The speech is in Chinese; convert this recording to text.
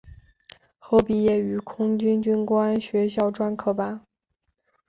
后毕业于空军军官学校专科班。